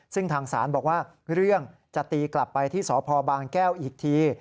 ซึ่งทางศาลบอกว่าเรื่องจะตีกลับไปที่สพบางแก้วอีกที